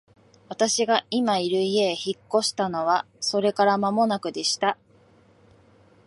私が今居る家へ引っ越したのはそれから間もなくでした。